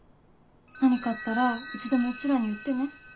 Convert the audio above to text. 何かあったらいつでもうちらに言ってね。